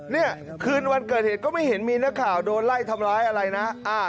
เนี่ยคืนวันเกิดเหตุก็ไม่เห็นมีนักข่าวโดนไล่ทำร้ายอะไรนะ